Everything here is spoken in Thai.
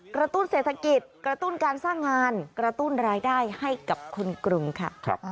ตุ้นเศรษฐกิจกระตุ้นการสร้างงานกระตุ้นรายได้ให้กับคนกรุงค่ะ